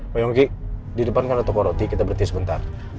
pak yongki di depan kan ada toko roti kita berhenti sebentar